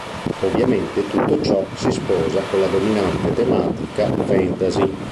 Ovviamente tutto ciò si sposa con la dominante tematica fantasy.